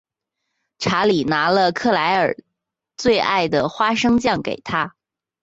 查理拿了克莱尔最爱的花生酱给她。